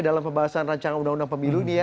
dalam pembahasan rancangan undang undang pemilu ini ya